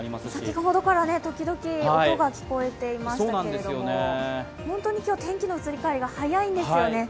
先ほどから時々音が聞こえていましたけれども本当に今日天気の移り変わりが速いんですよね。